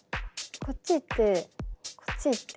こっち行ってこっち行って。